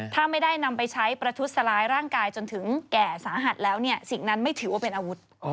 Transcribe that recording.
ถ้าไม่ได้นำไปใช้ประทุษร้ายร่างกายจนถึงแก่สาหัสแล้วเนี่ยสิ่งนั้นไม่ถือว่าเป็นอาวุธ